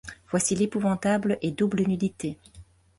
Voici l'épouvantable et double nudité